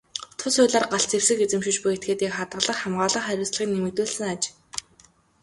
Тус хуулиар галт зэвсэг эзэмшиж буй этгээдийн хадгалах, хамгаалах хариуцлагыг нэмэгдүүлсэн аж.